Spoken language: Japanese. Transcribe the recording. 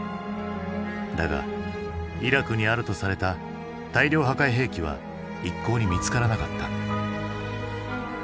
だがイラクにあるとされた大量破壊兵器は一向に見つからなかった。